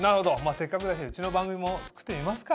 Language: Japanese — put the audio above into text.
せっかくだしうちの番組も作ってみますか？